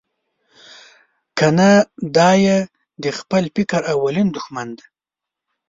کنه دای د خپل فکر اولین دوښمن دی.